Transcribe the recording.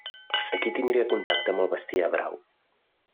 Aquí tindria contacte amb el bestiar brau.